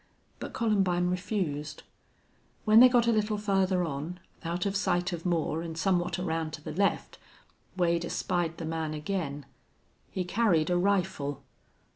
But Columbine refused. When they got a little farther on, out of sight of Moore and somewhat around to the left, Wade espied the man again. He carried a rifle.